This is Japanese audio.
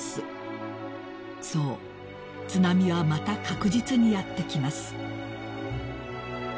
［そう津波はまた確実にやって来ます］